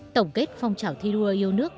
tổng kết phong trào thi đua yêu nước